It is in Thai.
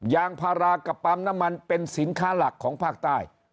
ยางพารากับปั๊มน้ำมันเป็นสินค้าหลักของภาคใต้